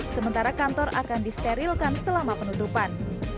sementara kantor akan disterilkan selama penutupan